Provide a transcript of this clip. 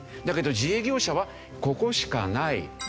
だけど自営業者はここしかない。